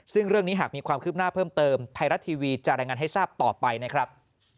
ซึ่งเรื่องนี้หากมีความคืบหน้าเพิ่มเติมไทยรัฐทีวีจะรายงานให้ทราบต่อไปนะครับ